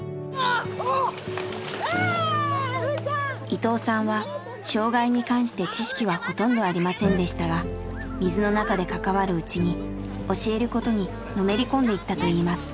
伊藤さんは障害に関して知識はほとんどありませんでしたが水の中で関わるうちに教えることにのめり込んでいったといいます。